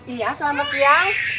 iya selamat siang